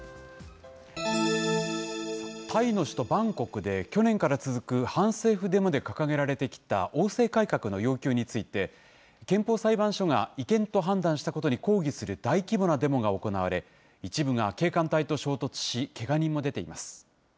タイの首都バンコクで、去年から続く反政府デモで掲げられてきた王制改革の要求について、憲法裁判所が違憲と判断したことに抗議する大規模なデモが行われ、一部が警官隊と衝突し、けが人も出ています。